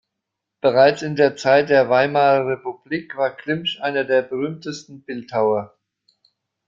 Bereits in der Zeit der Weimarer Republik war Klimsch einer der berühmtesten Bildhauer.